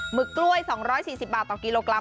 ึกกล้วย๒๔๐บาทต่อกิโลกรั